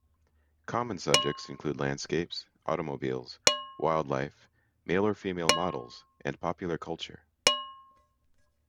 Common subjects include landscapes, automobiles, wildlife, male or female models, and popular culture.